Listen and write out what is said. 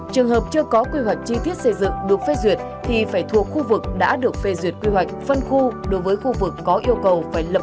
trường hợp chưa có quy hoạch chi tiết xây dựng được phê duyệt thì phải thuộc khu vực đã được phê duyệt quy hoạch phân khu đối với khu vực có yêu cầu phải lập